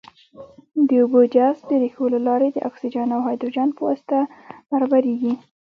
د اوبو جذب د ریښو له لارې د اکسیجن او هایدروجن په واسطه برابریږي.